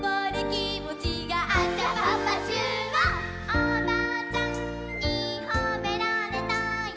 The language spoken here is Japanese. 「おばあちゃんにほめられたよ」